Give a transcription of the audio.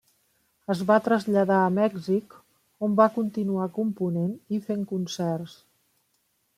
Es va traslladar a Mèxic, on va continuar component i fent concerts.